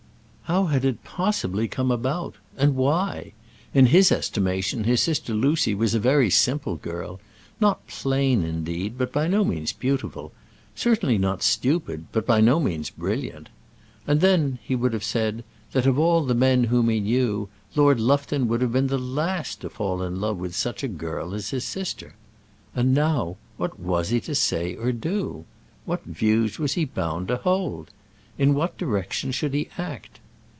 How had it possibly come about, and why? In his estimation his sister Lucy was a very simple girl not plain indeed, but by no means beautiful; certainly not stupid, but by no means brilliant. And then, he would have said, that of all men whom he knew, Lord Lufton would have been the last to fall in love with such a girl as his sister. And now, what was he to say or do? What views was he bound to hold? In what direction should he act?